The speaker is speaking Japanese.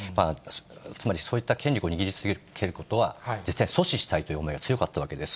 つまりそういった権力を握り続けることは絶対阻止したいという思いが強かったわけです。